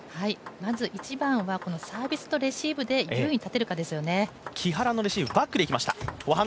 まず一番はサービスとレシーブで優位に立てるかですね。